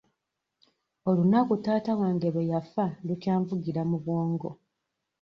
Olunaku taata wange lwe yafa lukyanvugira mu bwongo.